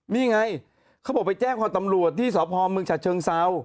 นี่ไงเขาบอกไปแจ้งความตำรวจที่สพเมืองฉัดเชิงเซา